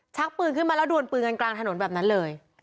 ปืนขึ้นมาแล้วดวนปืนกันกลางถนนแบบนั้นเลย